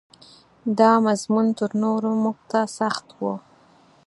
دا مضمون تر نورو موږ ته سخت و.